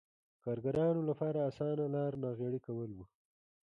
کارګرانو لپاره اسانه لار ناغېړي کول و.